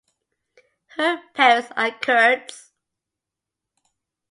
Her parents are Kurds.